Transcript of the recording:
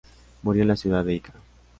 Murió en la ciudad de Ica.